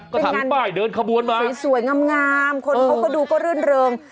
ก็ทำป้ายเดินขบวนมาสวยงามคนเขาก็ดูก็รื่นเริง